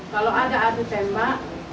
kalau ada adu tembak